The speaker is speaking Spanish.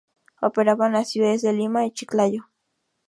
Operaba en las ciudades de Lima y Chiclayo.